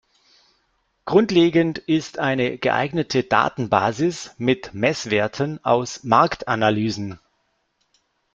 Grundlegend ist eine geeignete Datenbasis mit Messwerten aus Marktanalysen.